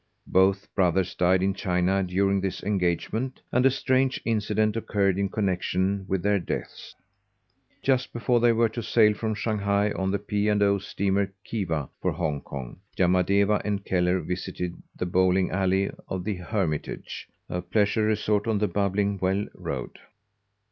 Both brothers died in China during this engagement, and a strange incident occurred in connection with their deaths. Just before they were to sail from Shanghai on the P. & O. steamer Khiva for Hong Kong, Yamadeva and Kellar visited the bowling alley of The Hermitage, a pleasure resort on the Bubbling Well Road.